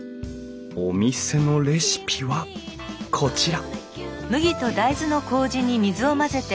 お店のレシピはこちら！